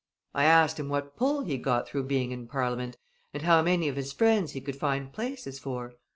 I asked him what pull he got through being in Parliament and how many of his friends he could find places for.